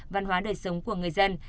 văn hóa đời sống của người dân